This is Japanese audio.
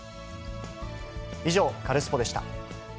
以上、カルスポっ！でした。